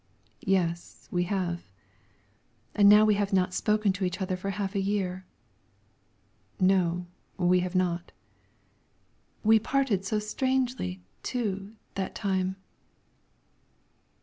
"Yes; we have." "And now we have not spoken to each other for half a year." "No; we have not." "We parted so strangely, too, that time."